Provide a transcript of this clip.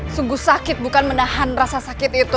sungguh sakit bukan menahan rasa sakit itu